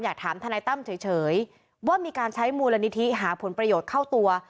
ว่ามีการใช้มูลนิธิหาผลประโยชน์เข้าตัว